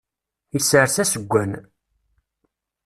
Isers aseggan.